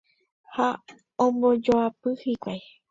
ha ombojoapy hikuái